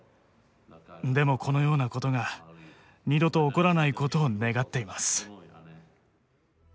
でもこのようなことが二度と起こらないことを願っています。